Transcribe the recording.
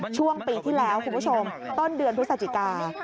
ช่วงปีที่แล้วคุณผู้ชมต้นเดือนพฤศจิกา